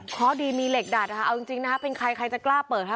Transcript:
เพราะดีมีเหล็กดัดค่ะเอาจริงนะคะเป็นใครใครจะกล้าเปิดค่ะ